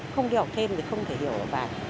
không hiểu thêm thì không thể hiểu được bài